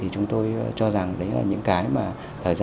chúng tôi cho rằng đấy là những cái mà